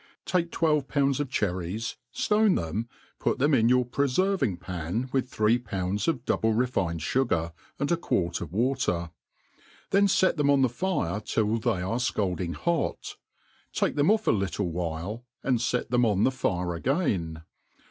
TAKE twelve pounds of cherries, ftone them, put them' in your preferving psii) with three pounds of double refined fugar and a i|uart of water ; tfaei]i fei them on the fife till they ar^ fcaiding hot, take them dS a little while, and (et on the fire again.